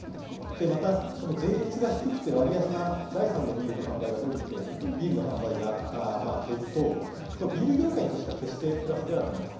またその税率が低くて、割安な第３のビールの販売が伸びて、ビールの販売が減ると、ビール業界としては決してプラスではないと。